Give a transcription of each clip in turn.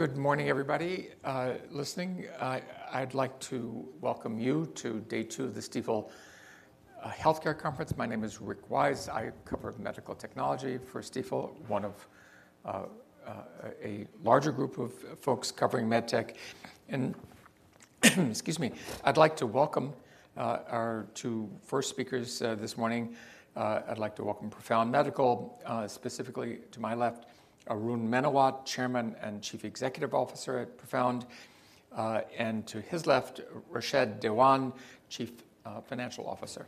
Good morning, everybody listening. I'd like to welcome you to day two of the Stifel Healthcare Conference. My name is Rick Wise. I cover medical technology for Stifel, one of a larger group of folks covering med tech. Excuse me. I'd like to welcome our 2 first speakers this morning. I'd like to welcome Profound Medical, specifically to my left, Arun Menawat, Chairman and Chief Executive Officer at Profound, and to his left, Rashed Dewan, Chief Financial Officer.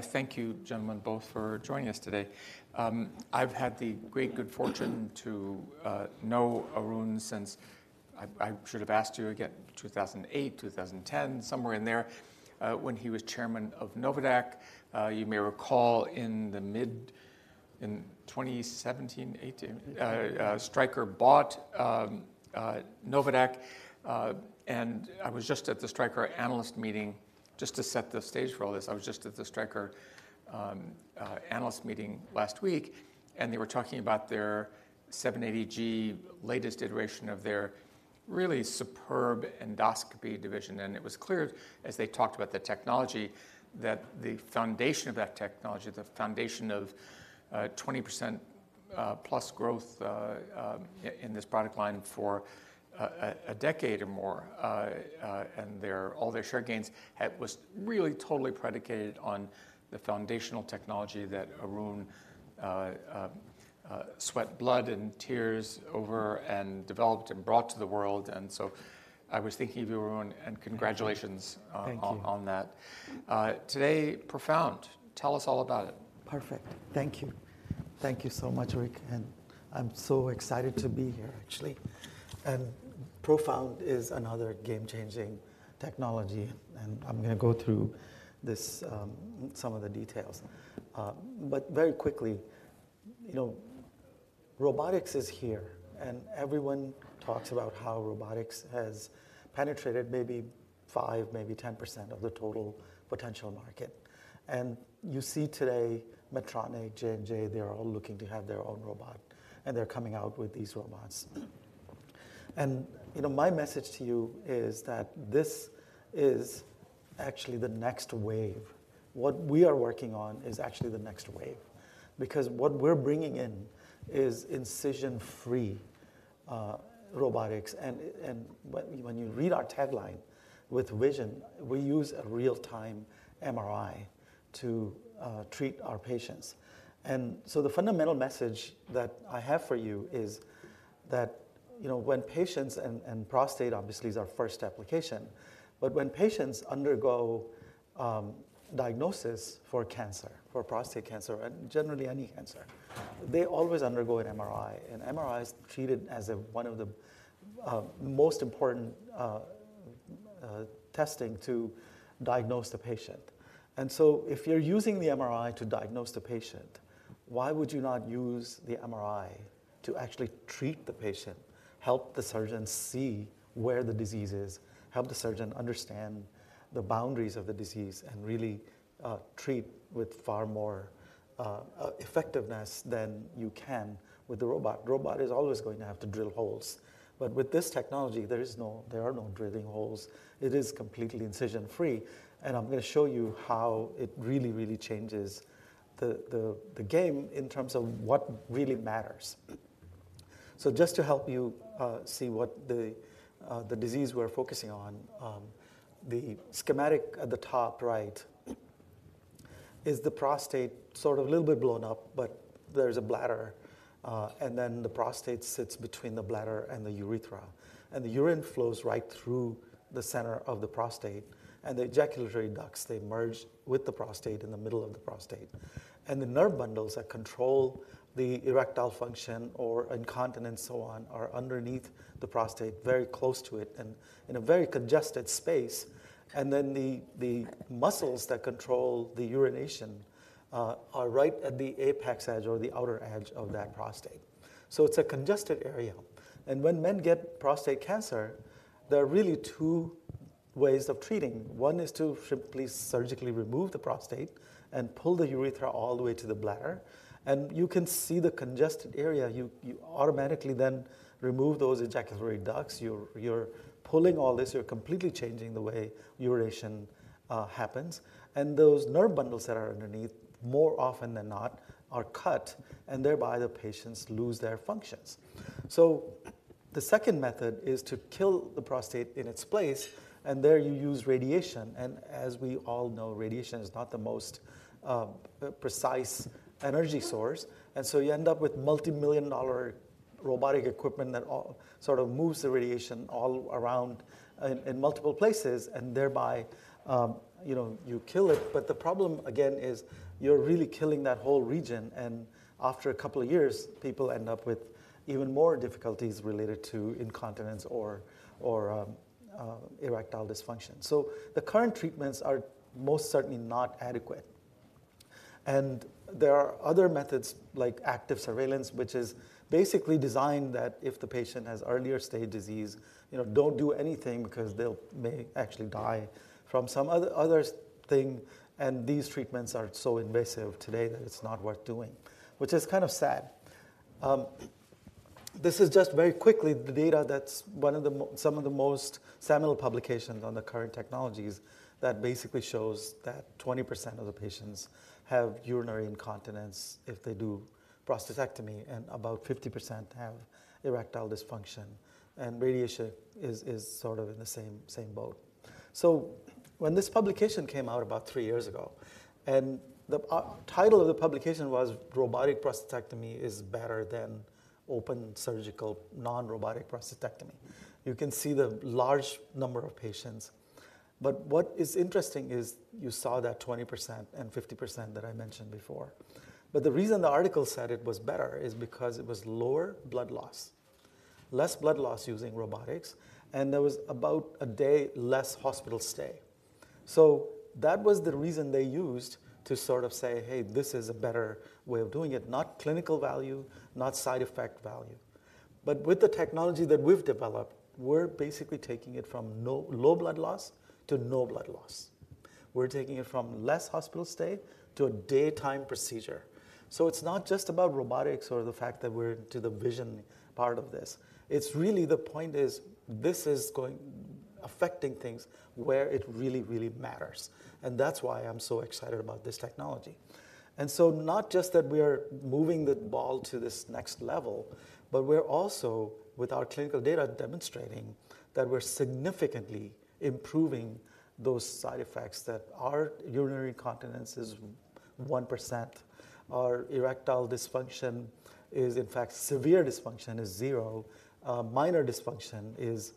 Thank you, gentlemen both for joining us today. I've had the great good fortune to know Arun since, I should have asked you again, 2008, 2010, somewhere in there, when he was chairman of Novadaq. You may recall in the mid-2017, 2018, Stryker bought Novadaq, and I was just at the Stryker analyst meeting. Just to set the stage for all this, I was just at the Stryker analyst meeting last week, and they were talking about their 1788 latest iteration of their really superb endoscopy division. It was clear as they talked about the technology, that the foundation of that technology, the foundation of 20%+ growth in this product line for a decade or more, and all their share gains was really totally predicated on the foundational technology that Arun sweat, blood and tears over and developed and brought to the world. So I was thinking of you, Arun, and congratulations- Thank you. On that. Today, Profound. Tell us all about it. Perfect. Thank you. Thank you so much, Rick, and I'm so excited to be here, actually. Profound is another game-changing technology, and I'm going to go through this, some of the details. But very quickly, you know, robotics is here, and everyone talks about how robotics has penetrated maybe 5, maybe 10% of the total potential market. You see today, Medtronic, J&J, they are all looking to have their own robot, and they're coming out with these robots. You know, my message to you is that this is actually the next wave. What we are working on is actually the next wave, because what we're bringing in is incision-free robotics. When you read our tagline, with vision, we use a real-time MRI to treat our patients. The fundamental message that I have for you is that, you know, when patients, and, and prostate, obviously, is our first application, but when patients undergo diagnosis for cancer, for prostate cancer, and generally any cancer, they always undergo an MRI, and MRI is treated as a, one of the, most important testing to diagnose the patient. If you're using the MRI to diagnose the patient, why would you not use the MRI to actually treat the patient, help the surgeon see where the disease is, help the surgeon understand the boundaries of the disease, and really treat with far more effectiveness than you can with the robot? Robot is always going to have to drill holes. With this technology, there is no—there are no drilling holes. It is completely incision-free, and I'm going to show you how it really, really changes the game in terms of what really matters. So just to help you see what the disease we're focusing on, the schematic at the top right is the prostate, sort of a little bit blown up, but there's a bladder, and then the prostate sits between the bladder and the urethra. And the urine flows right through the center of the prostate, and the ejaculatory ducts, they merge with the prostate in the middle of the prostate. And the nerve bundles that control the erectile function or incontinence, so on, are underneath the prostate, very close to it, and in a very congested space. And then the muscles that control the urination are right at the apex edge or the outer edge of that prostate. So it's a congested area. And when men get prostate cancer, there are really two ways of treating. One is to simply surgically remove the prostate and pull the urethra all the way to the bladder. And you can see the congested area. You automatically then remove those ejaculatory ducts. You're pulling all this. You're completely changing the way urination happens. And those nerve bundles that are underneath, more often than not, are cut, and thereby the patients lose their functions. So the second method is to kill the prostate in its place, and there you use radiation. And as we all know, radiation is not the most precise energy source, and so you end up with multimillion-dollar robotic equipment that all sort of moves the radiation all around in multiple places, and thereby, you know, you kill it. But the problem, again, is you're really killing that whole region, and after a couple of years, people end up with even more difficulties related to incontinence or erectile dysfunction. So the current treatments are most certainly not adequate. And there are other methods like active surveillance, which is basically designed that if the patient has earlier-stage disease, you know, don't do anything because they'll actually die from some other thing, and these treatments are so invasive today that it's not worth doing, which is kind of sad. This is just very quickly, the data that's one of the most seminal publications on the current technologies, that basically shows that 20% of the patients have urinary incontinence if they do prostatectomy, and about 50% have erectile dysfunction, and radiation is sort of in the same boat. So when this publication came out about three years ago, and the title of the publication was "Robotic Prostatectomy Is Better Than Open Surgical Non-Robotic Prostatectomy," you can see the large number of patients. But what is interesting is you saw that 20% and 50% that I mentioned before. But the reason the article said it was better is because it was lower blood loss, less blood loss using robotics, and there was about a day less hospital stay. So that was the reason they used to sort of say, "Hey, this is a better way of doing it." Not clinical value, not side effect value. But with the technology that we've developed, we're basically taking it from low blood loss to no blood loss. We're taking it from less hospital stay to a daytime procedure. So it's not just about robotics or the fact that we're to the vision part of this, it's really the point is, this is going to affect things where it really, really matters, and that's why I'm so excited about this technology. And so not just that we are moving the ball to this next level, but we're also, with our clinical data, demonstrating that we're significantly improving those side effects, that our urinary incontinence is 1%, our erectile dysfunction is, in fact, severe dysfunction is zero, minor dysfunction is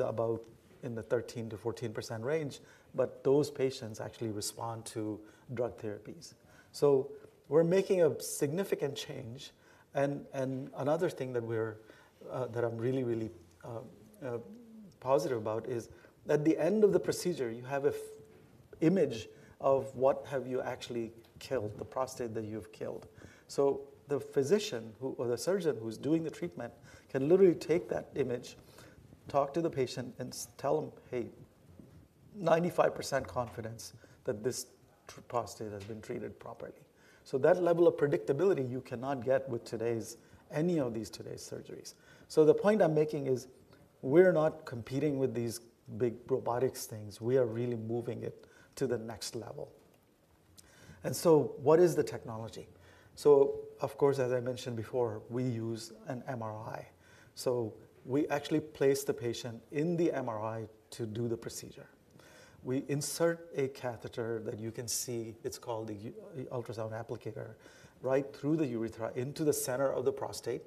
about in the 13%-14% range, but those patients actually respond to drug therapies. So we're making a significant change. Another thing that we're that I'm really, really positive about is, at the end of the procedure, you have an image of what you have actually killed, the prostate that you've killed. So the physician who, or the surgeon who's doing the treatment can literally take that image, talk to the patient, and tell them, "Hey, 95% confidence that this prostate has been treated properly." So that level of predictability you cannot get with today's any of these today's surgeries. So the point I'm making is, we're not competing with these big robotics things. We are really moving it to the next level. And so what is the technology? So of course, as I mentioned before, we use an MRI. So we actually place the patient in the MRI to do the procedure. We insert a catheter that you can see, it's called the ultrasound applicator, right through the urethra into the center of the prostate.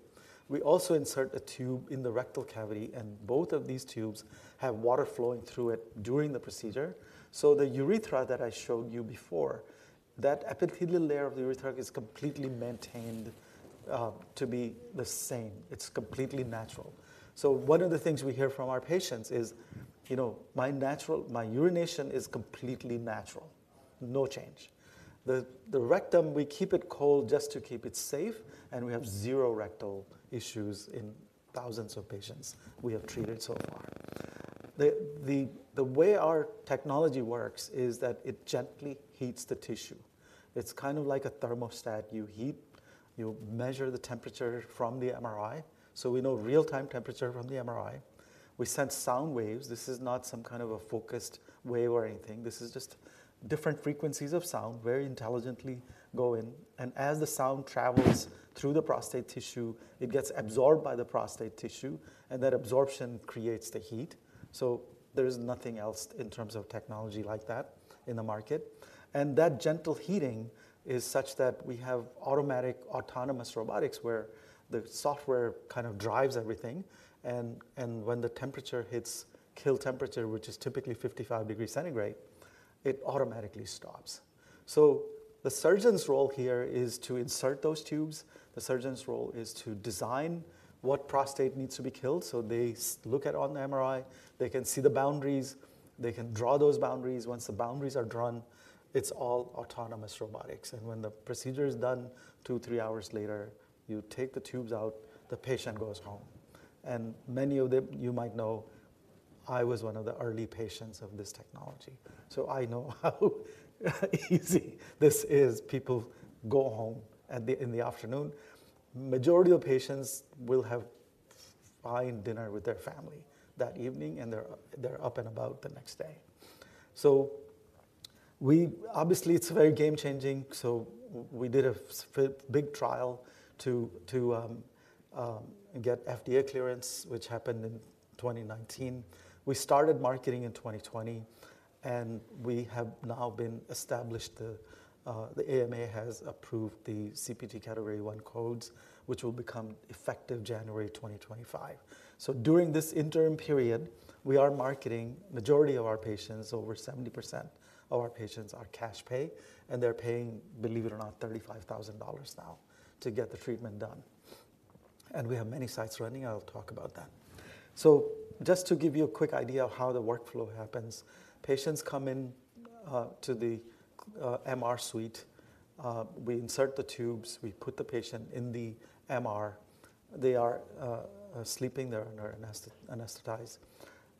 We also insert a tube in the rectal cavity, and both of these tubes have water flowing through it during the procedure. So the urethra that I showed you before, that epithelial layer of the urethra is completely maintained to be the same. It's completely natural. So one of the things we hear from our patients is, "You know, my natural urination is completely natural, no change." The rectum, we keep it cold just to keep it safe, and we have zero rectal issues in thousands of patients we have treated so far. The way our technology works is that it gently heats the tissue. It's kind of like a thermostat. You heat, you measure the temperature from the MRI, so we know real-time temperature from the MRI. We send sound waves. This is not some kind of a focused wave or anything. This is just different frequencies of sound, very intelligently go in, and as the sound travels through the prostate tissue, it gets absorbed by the prostate tissue, and that absorption creates the heat. So there's nothing else in terms of technology like that in the market. And that gentle heating is such that we have automatic, autonomous robotics, where the software kind of drives everything, and when the temperature hits kill temperature, which is typically 55 degrees centigrade, it automatically stops. So the surgeon's role here is to insert those tubes. The surgeon's role is to design what prostate needs to be killed. So they look at on the MRI, they can see the boundaries, they can draw those boundaries. Once the boundaries are drawn, it's all autonomous robotics. And when the procedure is done, 2-3 hours later, you take the tubes out, the patient goes home. And many of them... You might know, I was one of the early patients of this technology, so I know how easy this is. People go home in the afternoon. Majority of patients will have fine dinner with their family that evening, and they're up and about the next day. So obviously, it's very game-changing, so we did a big trial to get FDA clearance, which happened in 2019. We started marketing in 2020, and we have now been established. The AMA has approved the CPT Category I codes, which will become effective January 2025. So during this interim period, we are marketing. Majority of our patients, over 70% of our patients, are cash pay, and they're paying, believe it or not, $35,000 now to get the treatment done. And we have many sites running. I'll talk about that. So just to give you a quick idea of how the workflow happens, patients come in to the MR suite, we insert the tubes, we put the patient in the MR. They are sleeping. They're anesthetized.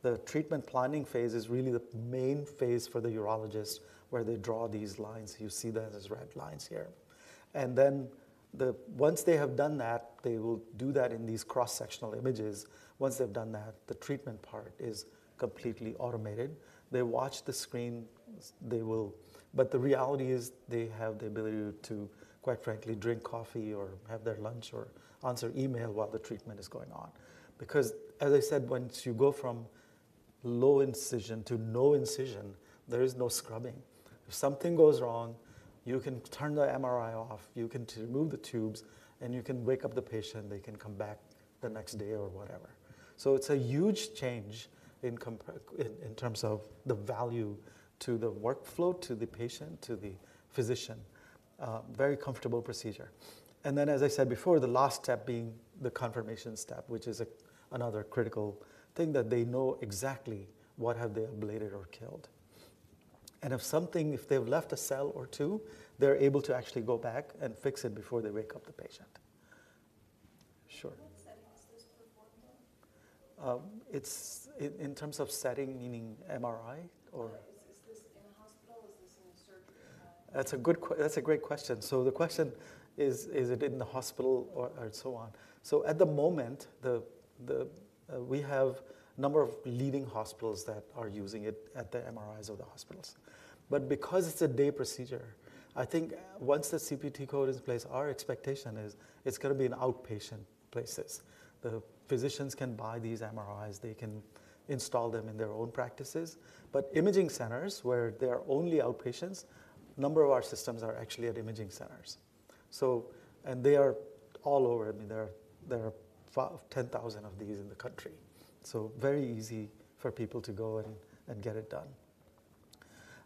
The treatment planning phase is really the main phase for the urologist, where they draw these lines. You see that as red lines here.... And then once they have done that, they will do that in these cross-sectional images. Once they've done that, the treatment part is completely automated. They watch the screen, but the reality is, they have the ability to, quite frankly, drink coffee or have their lunch or answer email while the treatment is going on. Because, as I said, once you go from low incision to no incision, there is no scrubbing. If something goes wrong, you can turn the MRI off, you can remove the tubes, and you can wake up the patient, and they can come back the next day or whatever. So it's a huge change in terms of the value to the workflow, to the patient, to the physician. Very comfortable procedure. And then, as I said before, the last step being the confirmation step, which is a another critical thing, that they know exactly what have they ablated or killed. If something, if they've left a cell or two, they're able to actually go back and fix it before they wake up the patient. Sure. What setting is this performed in? It's in terms of setting, meaning MRI or- Yeah. Is this in a hospital? Is this in a surgery hospital? That's a great question. So the question is: Is it in the hospital or so on? So at the moment, we have a number of leading hospitals that are using it at the MRIs of the hospitals. But because it's a day procedure, I think once the CPT code is in place, our expectation is it's gonna be in outpatient places. The physicians can buy these MRIs, they can install them in their own practices. But imaging centers, where there are only outpatients, a number of our systems are actually at imaging centers. So, and they are all over. I mean, there are 5-10,000 of these in the country. So very easy for people to go and get it done.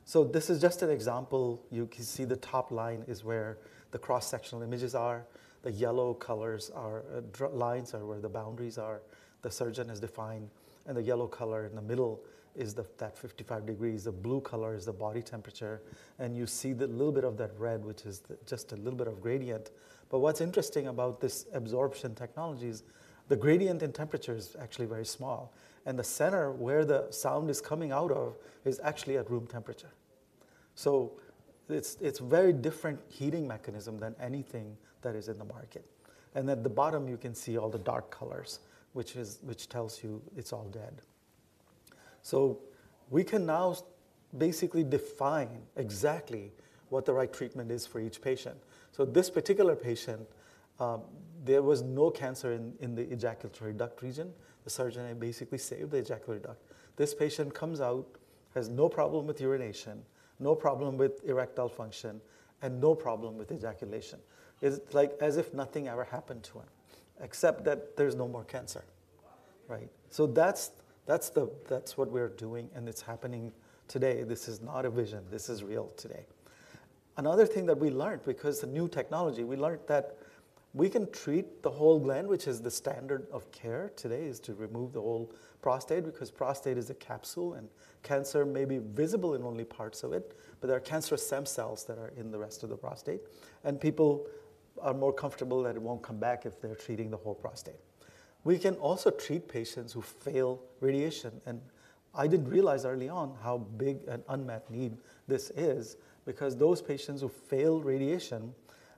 So this is just an example. You can see the top line is where the cross-sectional images are. The yellow colors are, lines are where the boundaries are, the surgeon has defined, and the yellow color in the middle is the, that 55 degrees. The blue color is the body temperature, and you see the little bit of that red, which is the, just a little bit of gradient. But what's interesting about this absorption technology is the gradient in temperature is actually very small, and the center where the sound is coming out of is actually at room temperature. So it's, it's very different heating mechanism than anything that is in the market. And at the bottom, you can see all the dark colors, which is, which tells you it's all dead. So we can now basically define exactly what the right treatment is for each patient. So this particular patient, there was no cancer in the ejaculatory duct region. The surgeon had basically saved the ejaculatory duct. This patient comes out, has no problem with urination, no problem with erectile function, and no problem with ejaculation. It's like, as if nothing ever happened to him, except that there's no more cancer. Wow, okay. Right? So that's what we're doing, and it's happening today. This is not a vision. This is real today. Another thing that we learned, because the new technology, that we can treat the whole gland, which is the standard of care today, is to remove the whole prostate, because prostate is a capsule, and cancer may be visible in only parts of it, but there are cancerous stem cells that are in the rest of the prostate. People are more comfortable that it won't come back if they're treating the whole prostate. We can also treat patients who fail radiation, and I didn't realize early on how big an unmet need this is, because those patients who fail radiation,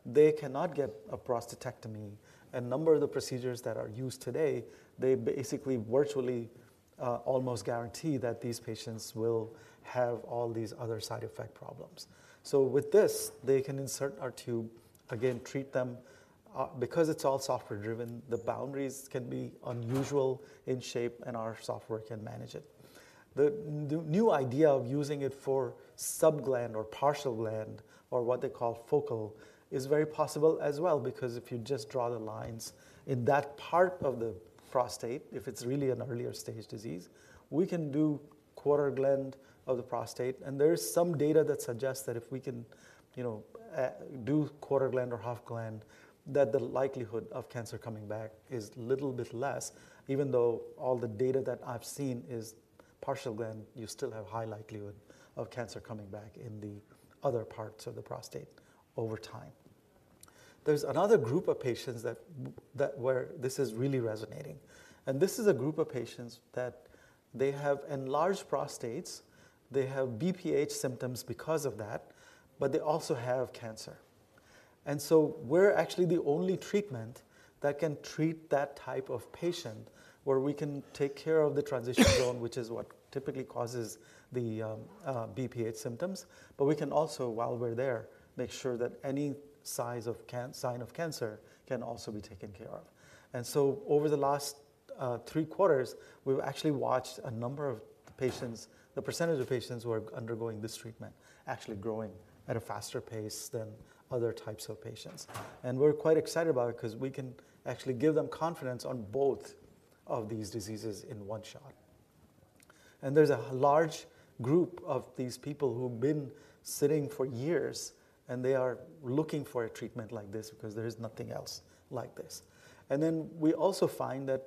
they cannot get a prostatectomy. A number of the procedures that are used today, they basically virtually almost guarantee that these patients will have all these other side effect problems. So with this, they can insert our tube, again, treat them. Because it's all software driven, the boundaries can be unusual in shape, and our software can manage it. The new idea of using it for sub gland or partial gland or what they call focal, is very possible as well, because if you just draw the lines in that part of the prostate, if it's really an earlier stage disease, we can do quarter gland of the prostate. And there is some data that suggests that if we can, you know, do quarter gland or half gland, that the likelihood of cancer coming back is little bit less, even though all the data that I've seen is partial gland, you still have high likelihood of cancer coming back in the other parts of the prostate over time. There's another group of patients that, that where this is really resonating, and this is a group of patients that they have enlarged prostates, they have BPH symptoms because of that, but they also have cancer. And so we're actually the only treatment that can treat that type of patient, where we can take care of the transition zone, which is what typically causes the, BPH symptoms. But we can also, while we're there, make sure that any sign of cancer can also be taken care of. So over the last 3 quarters, we've actually watched a number of the patients, the percentage of patients who are undergoing this treatment, actually growing at a faster pace than other types of patients. We're quite excited about it 'cause we can actually give them confidence on both of these diseases in one shot. There's a large group of these people who've been sitting for years, and they are looking for a treatment like this because there is nothing else like this. Then we also find that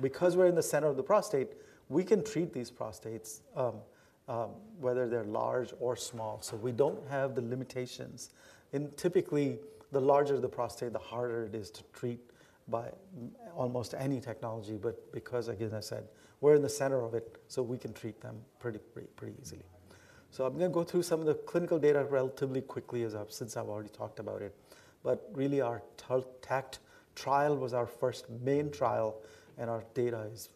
because we're in the center of the prostate, we can treat these prostates, whether they're large or small. So we don't have the limitations. Typically, the larger the prostate, the harder it is to treat by almost any technology. But because, again, as I said, we're in the center of it, so we can treat them pretty, pretty, pretty easily. So I'm gonna go through some of the clinical data relatively quickly, since I've already talked about it. But really, our TACT Trial was our first main trial, and our data is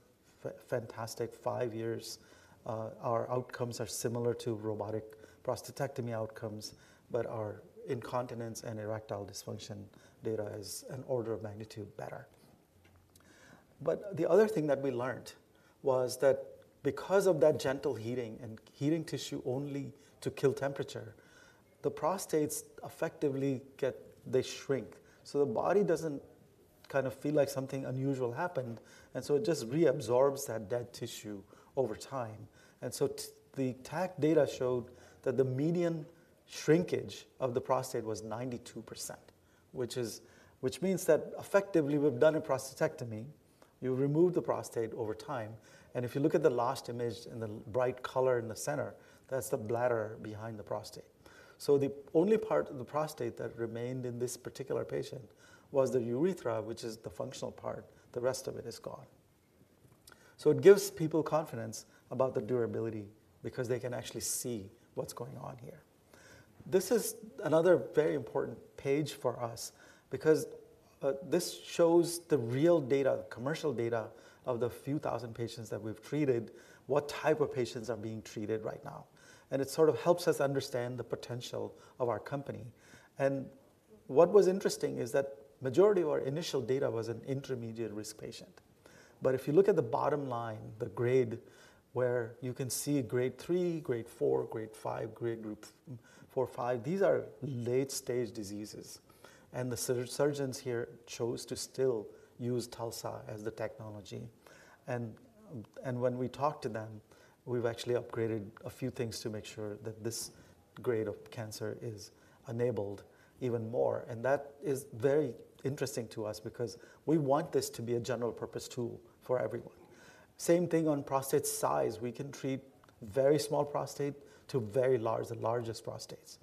fantastic. Five years, our outcomes are similar to robotic prostatectomy outcomes, but our incontinence and erectile dysfunction data is an order of magnitude better. But the other thing that we learned was that because of that gentle heating, and heating tissue only to kill temperature, the prostates effectively get they shrink. So the body doesn't kind of feel like something unusual happened, and so it just reabsorbs that dead tissue over time. So the TACT data showed that the median shrinkage of the prostate was 92%, which means that effectively, we've done a prostatectomy, you remove the prostate over time, and if you look at the last image in the bright color in the center, that's the bladder behind the prostate. So the only part of the prostate that remained in this particular patient was the urethra, which is the functional part. The rest of it is gone. So it gives people confidence about the durability because they can actually see what's going on here. This is another very important page for us because this shows the real data, commercial data, of the few thousand patients that we've treated, what type of patients are being treated right now. And it sort of helps us understand the potential of our company. And what was interesting is that majority of our initial data was an intermediate-risk patient. But if you look at the bottom line, the grade, where you can see Grade Three, Grade Four, Grade Five, Grade Group four, five, these are late-stage diseases, and the surgeons here chose to still use TULSA as the technology. And when we talked to them, we've actually upgraded a few things to make sure that this grade of cancer is enabled even more, and that is very interesting to us because we want this to be a general-purpose tool for everyone. Same thing on prostate size. We can treat very small prostate to very large, the largest prostates.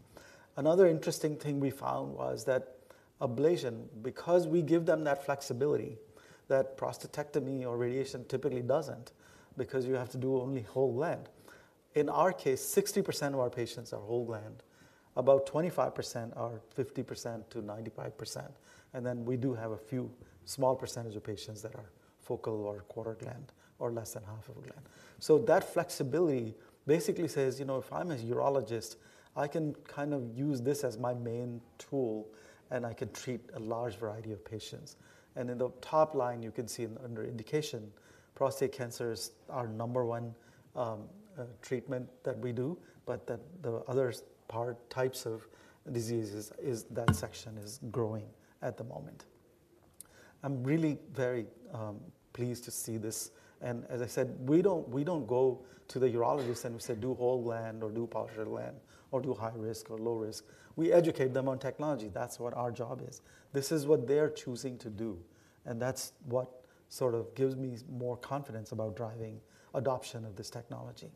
Another interesting thing we found was that ablation, because we give them that flexibility, that prostatectomy or radiation typically doesn't, because you have to do only whole gland. In our case, 60% of our patients are whole gland, about 25% are 50%-95%, and then we do have a few small percentage of patients that are focal or quarter gland or less than half of a gland. So that flexibility basically says, you know, if I'm a urologist, I can kind of use this as my main tool, and I can treat a large variety of patients. And in the top line, you can see under indication, prostate cancers are number one, treatment that we do, but that the other part, types of diseases is, that section is growing at the moment. I'm really very pleased to see this, and as I said, we don't, we don't go to the urologist and we say, "Do whole gland or do partial gland or do high risk or low risk." We educate them on technology. That's what our job is. This is what they're choosing to do, and that's what sort of gives me more confidence about driving adoption of this technology.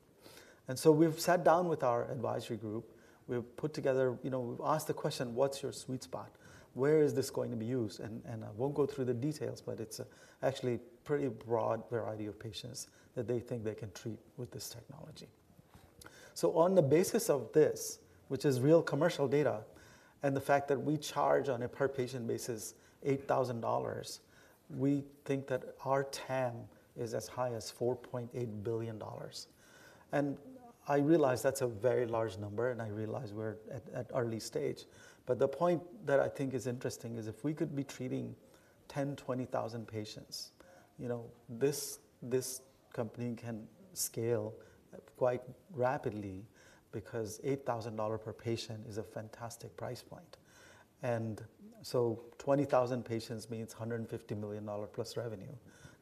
And so we've sat down with our advisory group. We've put together... You know, we've asked the question, "What's your sweet spot? Where is this going to be used?" And I won't go through the details, but it's actually a pretty broad variety of patients that they think they can treat with this technology. So on the basis of this, which is real commercial data, and the fact that we charge on a per-patient basis, $8,000, we think that our TAM is as high as $4.8 billion. And I realize that's a very large number, and I realize we're at early stage, but the point that I think is interesting is if we could be treating 10- 20,000 patients, you know, this company can scale quite rapidly because $8,000 per patient is a fantastic price point. And so 20,000 patients means $150 million+ revenue,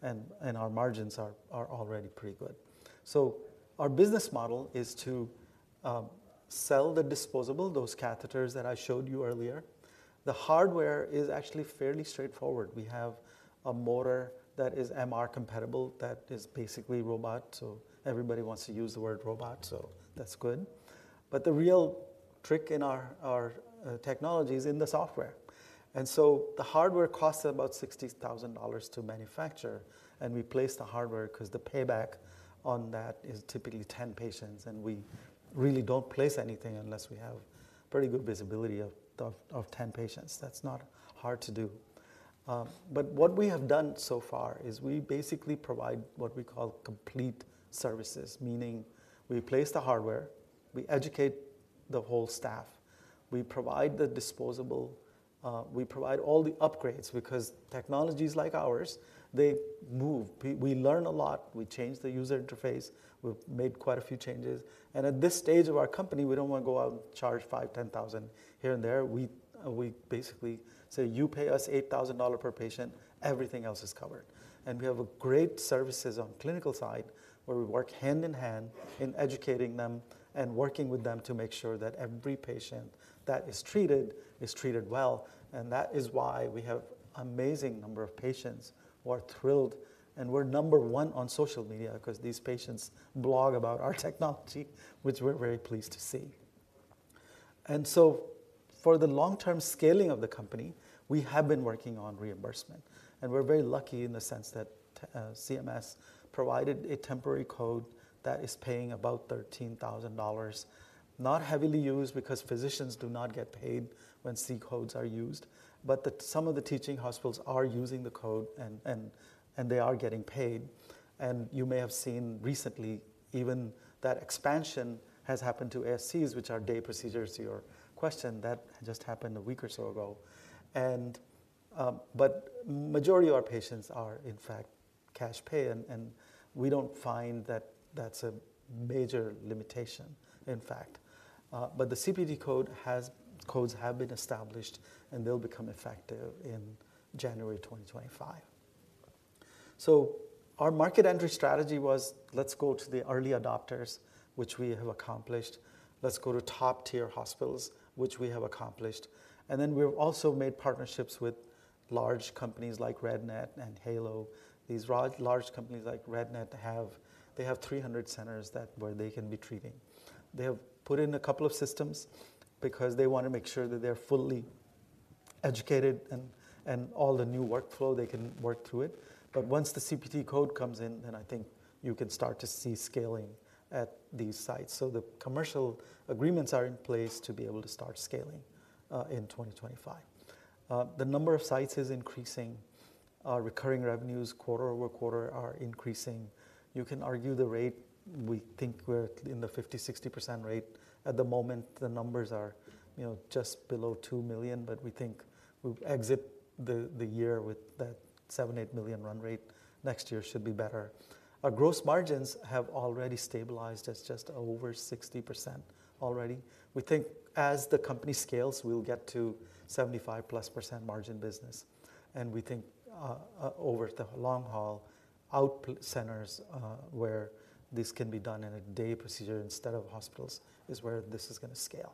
and our margins are already pretty good. So our business model is to sell the disposable, those catheters that I showed you earlier. The hardware is actually fairly straightforward. We have a motor that is MRI compatible, that is basically robot, so everybody wants to use the word robot, so that's good. But the real trick in our technology is in the software. So the hardware costs about $60,000 to manufacture, and we place the hardware 'cause the payback on that is typically 10 patients, and we really don't place anything unless we have pretty good visibility of 10 patients. That's not hard to do. But what we have done so far is we basically provide what we call complete services, meaning we place the hardware, we educate the whole staff, we provide the disposable, we provide all the upgrades, because technologies like ours, they move. We learn a lot. We change the user interface. We've made quite a few changes. At this stage of our company, we don't want to go out and charge $5,000-$10,000 here and there. We, we basically say, "You pay us $8,000 per patient, everything else is covered." We have a great services on clinical side, where we work hand in hand in educating them and working with them to make sure that every patient that is treated is treated well, and that is why we have amazing number of patients who are thrilled. We're number one on social media because these patients blog about our technology, which we're very pleased to see.... So for the long-term scaling of the company, we have been working on reimbursement. We're very lucky in the sense that, CMS provided a temporary code that is paying about $13,000, not heavily used because physicians do not get paid when C-codes are used, but that some of the teaching hospitals are using the code and they are getting paid. You may have seen recently, even that expansion has happened to ASCs, which are day procedures, to your question, that just happened a week or so ago. But majority of our patients are, in fact, cash pay, and we don't find that that's a major limitation, in fact. But the CPT codes have been established, and they'll become effective in January 2025. So our market entry strategy was: let's go to the early adopters, which we have accomplished. Let's go to top-tier hospitals, which we have accomplished. And then we've also made partnerships with large companies like RadNet and HALO. These large companies like RadNet have, they have 300 centers that, where they can be treating. They have put in a couple of systems because they want to make sure that they're fully educated, and, and all the new workflow, they can work through it. But once the CPT code comes in, then I think you can start to see scaling at these sites. So the commercial agreements are in place to be able to start scaling in 2025. The number of sites is increasing. Our recurring revenues QoQ are increasing. You can argue the rate. We think we're in the 50%-60% rate. At the moment, the numbers are, you know, just below $2 million, but we think we'll exit the year with that $7-$8 million run rate. Next year should be better. Our gross margins have already stabilized at just over 60% already. We think as the company scales, we'll get to 75%+ margin business, and we think over the long haul, outpatient centers, where this can be done in a day procedure instead of hospitals, is where this is going to scale.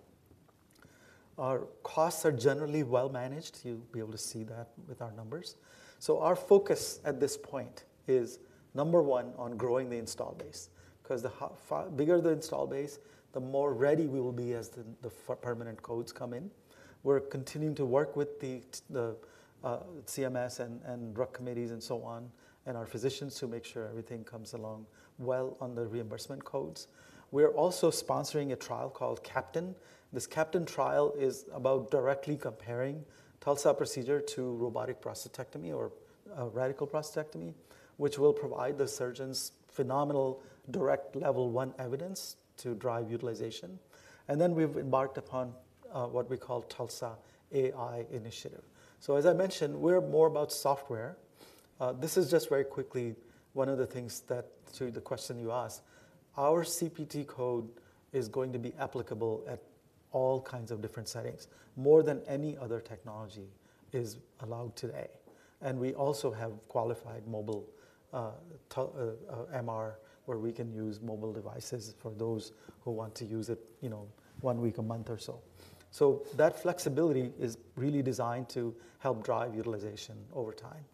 Our costs are generally well managed. You'll be able to see that with our numbers. So our focus at this point is, number one, on growing the install base, 'cause the far bigger the install base, the more ready we will be as the permanent codes come in. We're continuing to work with the CMS and drug committees and so on, and our physicians to make sure everything comes along well on the reimbursement codes. We are also sponsoring a trial called CAPTAIN. This CAPTAIN trial is about directly comparing TULSA procedure to robotic prostatectomy or radical prostatectomy, which will provide the surgeons phenomenal, direct level one evidence to drive utilization. And then we've embarked upon what we call TULSA-AI initiative. So, as I mentioned, we're more about software. This is just very quickly one of the things that, to the question you asked, our CPT code is going to be applicable at all kinds of different settings, more than any other technology is allowed today. And we also have qualified mobile MRI, where we can use mobile devices for those who want to use it, you know, one week, a month or so. So that flexibility is really designed to help drive utilization over time.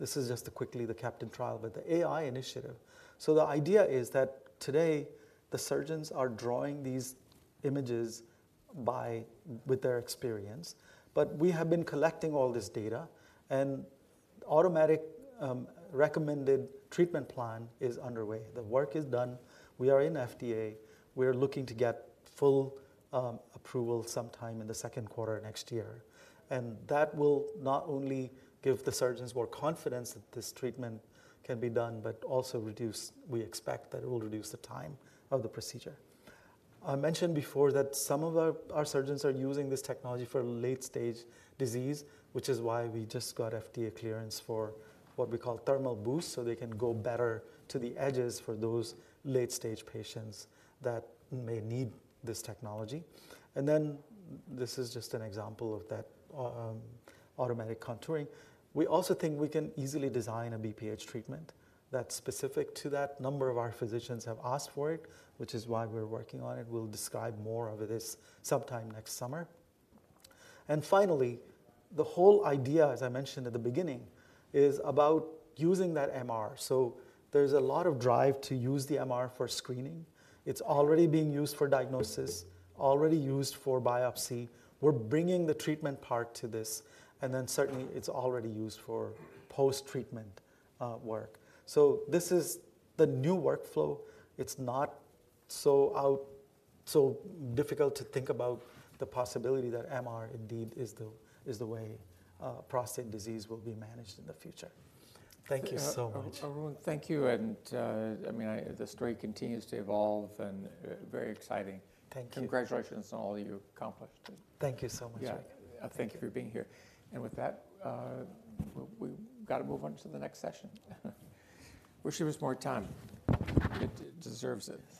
This is just quickly the CAPTAIN Trial, but the AI initiative. So the idea is that today, the surgeons are drawing these images with their experience, but we have been collecting all this data, and automatic recommended treatment plan is underway. The work is done. We are in FDA. We're looking to get full approval sometime in the second quarter next year. And that will not only give the surgeons more confidence that this treatment can be done, but also reduce, we expect that it will reduce the time of the procedure. I mentioned before that some of our surgeons are using this technology for late-stage disease, which is why we just got FDA clearance for what we call Thermal Boost, so they can go better to the edges for those late-stage patients that may need this technology. And then this is just an example of that, automatic contouring. We also think we can easily design a BPH treatment that's specific to that. A number of our physicians have asked for it, which is why we're working on it. We'll describe more of this sometime next summer. And finally, the whole idea, as I mentioned at the beginning, is about using that MR. So there's a lot of drive to use the MR for screening. It's already being used for diagnosis, already used for biopsy. We're bringing the treatment part to this, and then certainly, it's already used for post-treatment work. So this is the new workflow. It's not so difficult to think about the possibility that MR, indeed, is the way prostate disease will be managed in the future. Thank you so much. Arun, thank you, and I mean the story continues to evolve and very exciting. Thank you. Congratulations on all you've accomplished. Thank you so much. Yeah. Thank you for being here. And with that, we've got to move on to the next session. Wish there was more time. It deserves it.